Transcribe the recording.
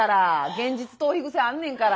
現実逃避癖あんねんから。